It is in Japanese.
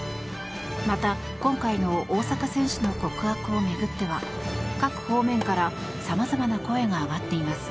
また、今回の大坂選手の告白を巡っては各方面からさまざまな声が上がっています。